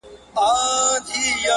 د شهید قبر یې هېر دی له جنډیو!